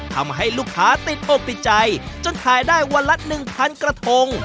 ทำให้ลูกค้าติดอกติดใจจนถ่ายได้วันละ๑๐๐กระทง